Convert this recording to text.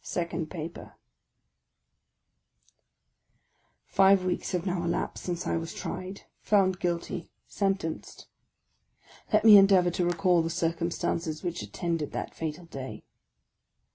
" SECOND PAPER FIVE weeks have now elapsed since I was tried, — found guilty, — sentenced. Let me endeavour to recall the circumstances which attended that fatal day.